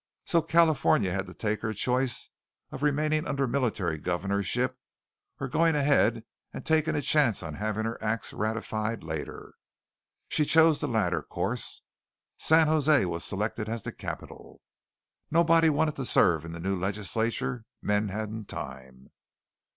So California had to take her choice of remaining under military governorship or going ahead and taking a chance on having her acts ratified later. She chose the latter course. San José was selected as the capital. Nobody wanted to serve in the new legislature; men hadn't time.